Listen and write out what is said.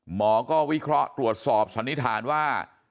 หมอก็วิเคราะห์ตรวจสอบสันนิษฐานว่า